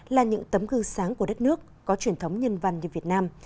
là những tấm gương sáng của đất nước có truyền thống nhân văn như việt nam